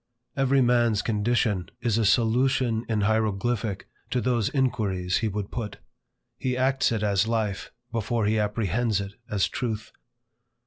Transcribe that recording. Every man's condition is a solution in hieroglyphic to those inquiries he would put. He acts it as life, before he apprehends it as truth.